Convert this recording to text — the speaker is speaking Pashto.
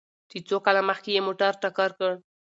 چې څو کاله مخکې يې موټر ټکر کړ؟